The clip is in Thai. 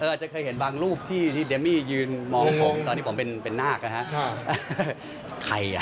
เธออาจจะเคยเห็นบางรูปที่เดมมี่ยืนมองผมตอนที่ผมเป็นนาฬิกาศาสตร์นะครับ